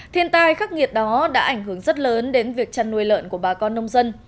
thiên tai khắc nghiệt đó đã ảnh hưởng rất lớn đến việc chăn nuôi lợn của bà con nông dân